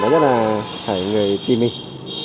nó rất là phải người tìm mình